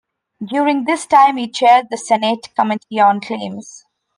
During this time he chaired the Senate Committee on Claims.